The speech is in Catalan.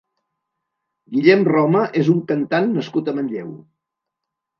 Guillem Roma és un cantant nascut a Manlleu.